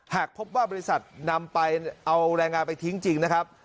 หากพบว่าบริษัทนำไปเอาแรงงานไปทิ้งจริงนะครับ